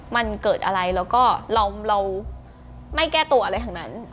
มันเกิดอะไรแล้วก็เราไม่แก้ตัวอะไรทั้งนั้น